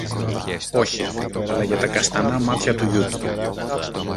Όχι, αλλά για τα καστανά μάτια του γιου του.